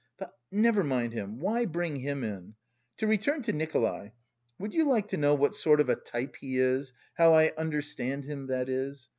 But never mind him, why bring him in? To return to Nikolay, would you like to know what sort of a type he is, how I understand him, that is?